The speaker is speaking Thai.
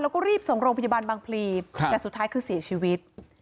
แล้วก็รีบส่งโรงพยาบาลบางพลีแต่สุดท้ายคือเสียชีวิต